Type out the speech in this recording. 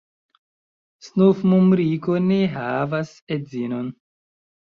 Snufmumriko ne havas edzinon.